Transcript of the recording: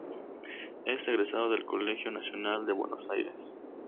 Es egresado del Colegio Nacional de Buenos Aires.